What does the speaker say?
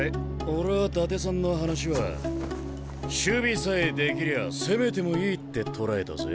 俺は伊達さんの話は守備さえできりゃあ攻めてもいいって捉えたぜ。